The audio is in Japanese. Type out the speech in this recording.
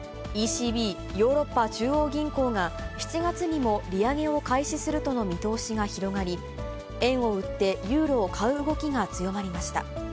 ＥＣＢ・ヨーロッパ中央銀行が７月にも利上げを開始するとの見通しが広がり、円を売ってユーロを買う動きが強まりました。